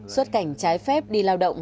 xuất cảnh trái phép đi lao động